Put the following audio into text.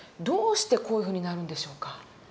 どうしてこういうふうになるんでしょうか。